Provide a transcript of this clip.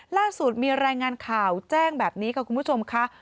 ล่าสุดมีรายงานข่าวแจ้งแบบนี้ค่ะคุณผู้ชมค่ะ